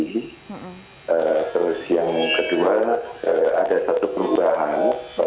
terus yang kedua ada satu perubahan